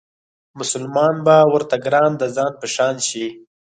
مسلمان به ورته ګران د ځان په شان شي